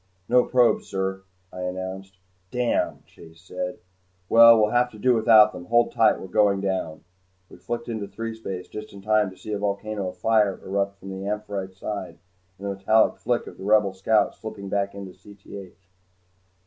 "No probes, sir," I announced. "Damn," Chase said. "Well, we'll have to do without them. Hold tight, we're going down." We flicked into threespace just in time to see a volcano of fire erupt from "Amphitrite's" side and the metallic flick of the Rebel scout slipping back into Cth.